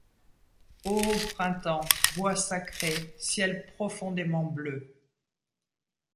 O printemps ! bois sacrés ! ciel profondément bleu !